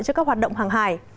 cho các hoạt động hàng hải